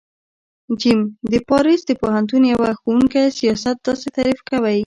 ج : د پاریس د پوهنتون یوه ښوونکی سیاست داسی تعریف کوی